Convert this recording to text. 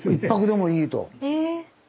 １泊でもいいと。